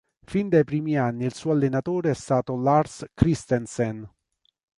Fin dai primi anni il suo allenatore è stato Lars Christensen.